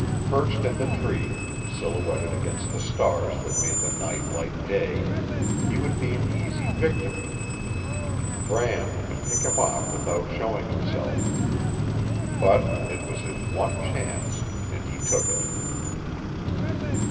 Perched in the tree, silhouetted against the stars that made the night like day, he would be an easy victim. Bram could pick him off without showing himself. But it was his one chance, and he took it.